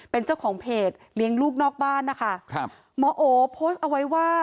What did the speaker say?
เป็นเจ้าของเพจเลี้ยงลูกนอกบ้านนะคะครับหมอโอโพสต์เอาไว้ว่า